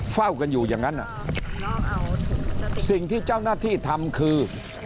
เฝ้ากันอยู่อย่างนั้นสิ่งที่เจ้าหน้าที่ทำคือ